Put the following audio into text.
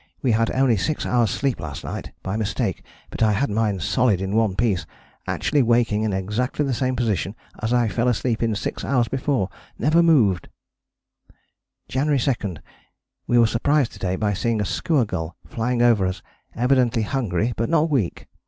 We had only 6 hours' sleep last night by a mistake, but I had mine solid in one piece, actually waking in exactly the same position as I fell asleep in 6 hours before never moved": "January 2. We were surprised to day by seeing a Skua gull flying over us evidently hungry but not weak.